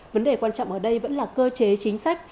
vấn đề quan trọng ở đây vẫn là cơ chế chính sách